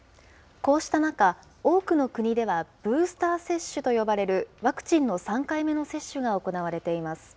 こうした中、多くの国ではブースター接種と呼ばれるワクチンの３回目の接種が行われています。